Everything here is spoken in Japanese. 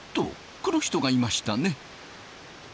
この人がいましたね！